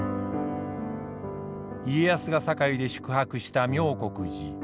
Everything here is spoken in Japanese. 家康が堺で宿泊した妙國寺。